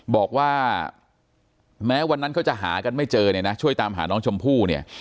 บอกว่าแม้วันนั้นเขาจะหากันไม่เจอเนี่ยนะช่วยตามหาน้องชมพู่เนี่ย